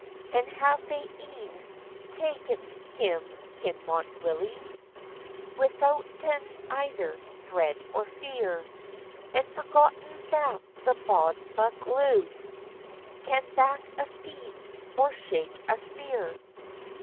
"And have they een taen him, Kinmont Willie, Withouten either dread or fear, And forgotten that the bauld Bacleuch Can back a steed, or shake a spear?